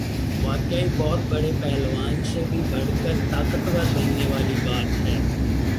ہ واقعی بہت بڑے پہلوان سے بھی بڑھ کر طاقت ور بننے والی بات ہے۔